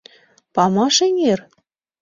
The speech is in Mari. — Памаш-Эҥер?